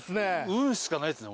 運しかないっすね